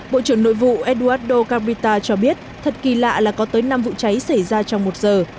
bộ trưởng nội vụ eduardo carbita cho biết thật kỳ lạ là có tới năm vụ cháy xảy ra trong một giờ